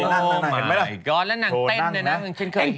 โอ้มายก๊อดแล้วนางเต้นเลยนะ